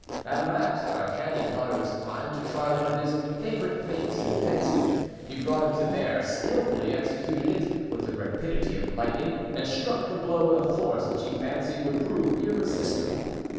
At last D'Artagnan thought it was time to try one of his favorite feints in fencing. He brought it to bear, skillfully executed it with the rapidity of lightning, and struck the blow with a force which he fancied would prove irresistible.